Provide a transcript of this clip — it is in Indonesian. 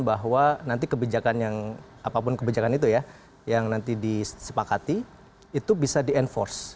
bahwa nanti kebijakan yang apapun kebijakan itu ya yang nanti disepakati itu bisa di enforce